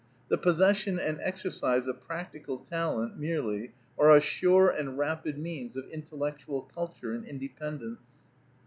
The possession and exercise of practical talent merely are a sure and rapid means of intellectual culture and independence.